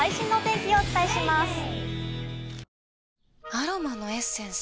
アロマのエッセンス？